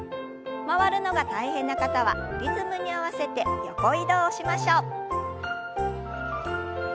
回るのが大変な方はリズムに合わせて横移動をしましょう。